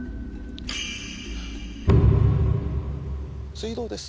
水道です。